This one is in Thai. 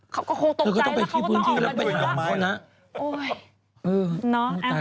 เขาก็คงตกใจแล้วเขาก็ต้องออกมาดูว่า